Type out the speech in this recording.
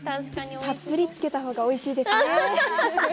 たっぷりつけた方がおいしいですね。